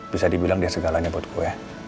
bisa dibilang dia segalanya buat gue